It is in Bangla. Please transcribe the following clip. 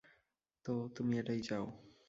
তো তুমি এটাই চাও।